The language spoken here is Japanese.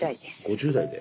５０代で。